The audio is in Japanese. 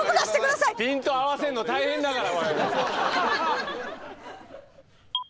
ピント合わせるの大変だから。